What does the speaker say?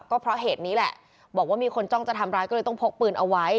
ก็เพราะเหตุนี้แหละบอกว่ามีคนจ้องจะทำร้ายก็เลยต้องพกปืนเอาไว้